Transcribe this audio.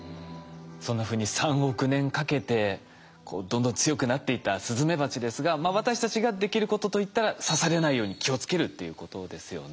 そんなふうに３億年かけてどんどん強くなっていったスズメバチですが私たちができることといったら刺されないように気をつけるということですよね。